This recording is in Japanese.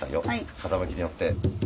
風向きによって。